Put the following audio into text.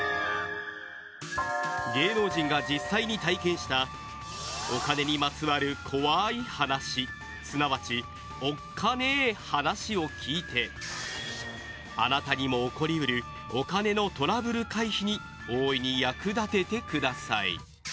芸能人が実際に体験したお金にまつわる怖い話すなわちおっカネ話を聞いてあなたにも起こり得るお金のトラブル回避に大いに役立ててください。